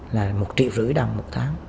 là một triệu rưỡi đồng một tháng